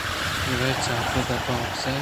روئے چات ءِ دپ ءَ وپس ئے